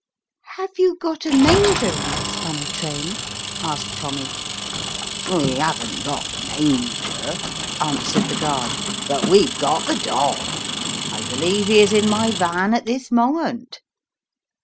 "Have you got a manger in this funny train?" asked Tommy. " We haven't got the manger/' answered the guard, " but weVe got the dog ; I believe he is in my van at this moment.